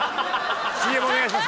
ＣＭお願いします。